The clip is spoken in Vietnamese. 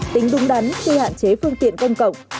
tính đúng đắn khi hạn chế phương tiện công cộng